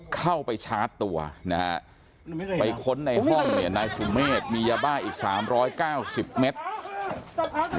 เข้าไปชาร์จตัวนะฮะไปค้นในห้องเนี่ยนายสุเมฆมียาบ้าอีก๓๙๐เมตร